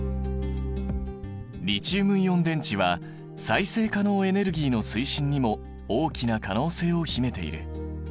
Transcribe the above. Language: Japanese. リチウムイオン電池は再生可能エネルギーの推進にも大きな可能性を秘めている。